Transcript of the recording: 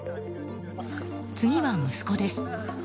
次は息子です。